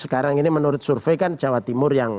sekarang ini menurut survei kan jawa timur yang